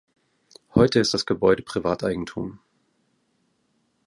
Heute ist das Gebäude Privateigentum.